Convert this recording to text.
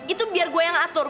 itu biar gue yang atur